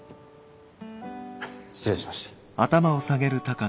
失礼しました。